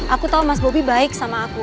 aku tau mas bobby baik sama aku